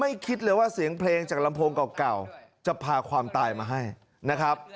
คิดเลยว่าเสียงเพลงจากลำโพงเก่าจะพาความตายมาให้นะครับ